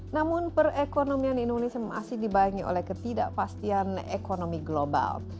namun perekonomian indonesia masih dibayangi oleh ketidakpastian ekonomi global